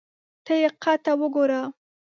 ته یې قد ته وګوره !